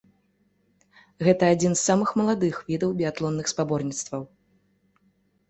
Гэта адзін з самых маладых відаў біятлонных спаборніцтваў.